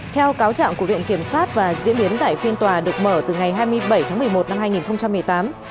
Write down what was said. theo cáo trạng của viện kiểm sát và diễn biến tại phiên tòa được mở từ ngày hai mươi bảy tháng một mươi một năm hai nghìn một mươi tám